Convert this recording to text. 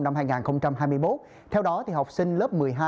năm hai nghìn hai mươi một theo đó học sinh lớp một mươi hai